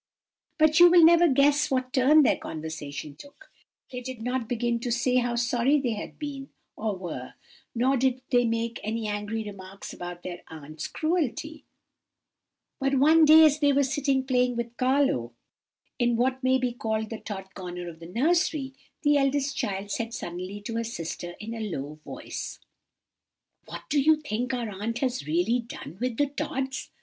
"But you will never guess what turn their conversation took. They did not begin to say how sorry they had been, or were; nor did they make any angry remarks about their aunt's cruelty; but one day as they were sitting playing with Carlo, in what may be called the Tod corner of the nursery, the eldest child said suddenly to her sister, in a low voice "'What do you think our aunt has really done with the Tods?